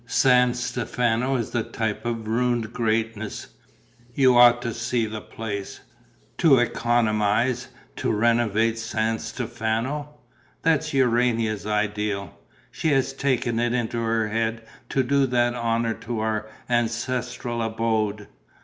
San Stefano is the type of ruined greatness. You ought to see the place. To economize, to renovate San Stefano! That's Urania's ideal. She has taken it into her head to do that honour to our ancestral abode.